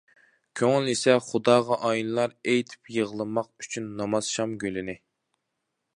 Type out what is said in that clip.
كۆڭۈل ئېسە خۇداغا ئايلىنار ئېيتىپ يىغلىماق ئۈچۈن نامازشام گۈلىنى.